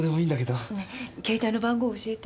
ねえ携帯の番号教えて。